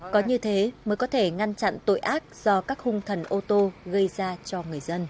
có như thế mới có thể ngăn chặn tội ác do các hung thần ô tô gây ra cho người dân